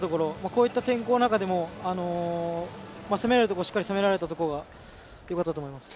こういった天候の中でも、攻められるところはしっかり攻められたところがよかったと思います。